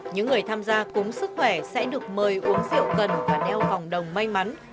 những người tham gia cúng sức khỏe sẽ được mời uống rượu cần và neo phòng đồng may mắn